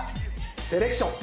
セレクション。